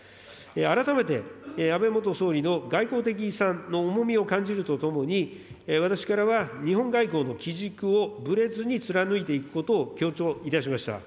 改めて、安倍元総理の外交的遺産の重みを感じるとともに、私からは日本外交の基軸をぶれずに貫いていくことを強調いたしました。